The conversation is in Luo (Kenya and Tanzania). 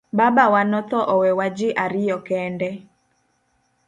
Babawa no tho owewa ji ariyo kende.